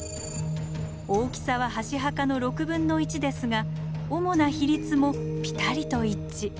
大きさは箸墓の６分の１ですが主な比率もぴたりと一致。